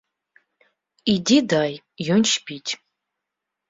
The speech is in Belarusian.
Ідзі дай, ён спіць.